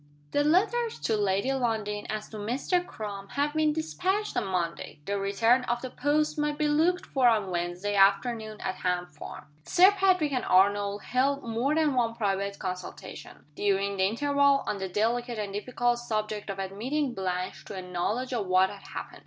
THE letters to Lady Lundie and to Mr. Crum having been dispatched on Monday, the return of the post might be looked for on Wednesday afternoon at Ham Farm. Sir Patrick and Arnold held more than one private consultation, during the interval, on the delicate and difficult subject of admitting Blanche to a knowledge of what had happened.